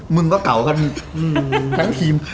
มึงก็เก่ากันทั้งทีม